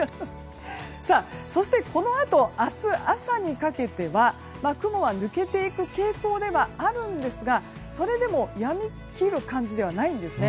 そして、このあと明日朝にかけては雲は抜けていく傾向ではあるんですがそれでもやみ切る感じではないんですね。